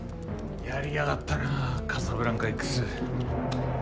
やりやがったなカサブランカＸ。